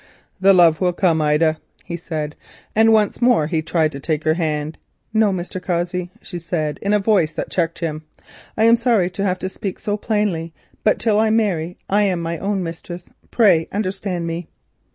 "The love will come, Ida," he said, and once more he tried to take her hand. "No, Mr. Cossey," she said, in a voice that checked him. "I am sorry to have to speak so plainly, but till I marry I am my own mistress. Pray understand me."